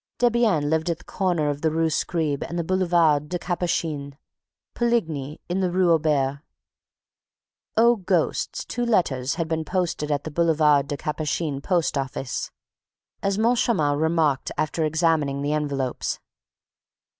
Debienne lived at the corner of the Rue Scribe and the Boulevard des Capucines; Poligny, in the Rue Auber. O. Ghost's two letters had been posted at the Boulevard des Capucines post office, as Moncharmin remarked after examining the envelopes.